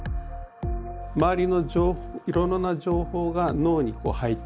周りのいろいろな情報が脳に入ってくる。